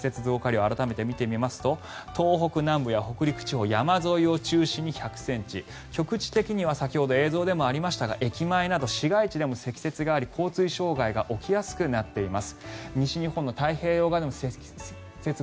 月曜日にかけての積雪増加量を改めて見てみますと北陸地方や東北地方や山沿いを中心に局地的に１００ｃｍ先ほど映像でもありましたが駅前などの市街地でも積雪があり、交通障害が起きやすくなっています。